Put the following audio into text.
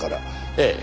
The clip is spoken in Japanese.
ええ。